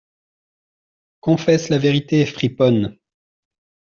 Confesse la vérité, friponne !